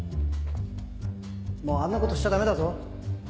もうあんなことしちゃダメだぞ。